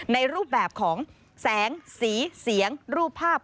ในรูปแบบของแสงสีเสียงรูปภาพ